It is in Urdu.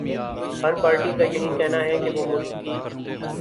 ہر پارٹی کایہی کہنا ہے کہ وہ ملک کی